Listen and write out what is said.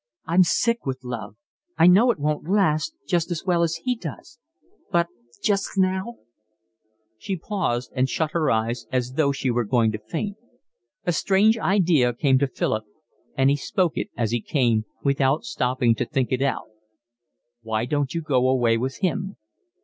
I'm sick with love. I know it won't last, just as well as he does, but just now…" She paused and shut her eyes as though she were going to faint. A strange idea came to Philip, and he spoke it as it came, without stopping to think it out. "Why don't you go away with him?"